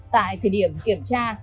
tại thời điểm kiểm tra